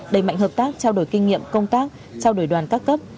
đẩy mạnh hợp tác trao đổi kinh nghiệm công tác trao đổi đoàn các cấp